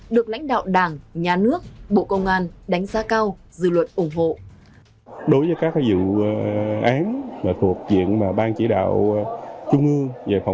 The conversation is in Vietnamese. được lãnh đạo đảng nhà nước bộ công an đánh giá cao dư luận ủng hộ